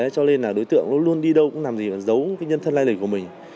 cho nên đối tượng luôn đi đâu cũng làm gì mà giấu nhân thân lai lịch của mình